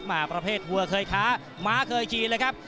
ประเภทวัวเคยค้าม้าเคยจีนเลยครับ